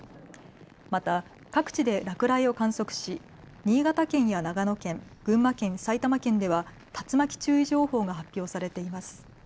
また各地で落雷を観測し新潟県や長野県、群馬県、埼玉県では竜巻注意情報が発表されています。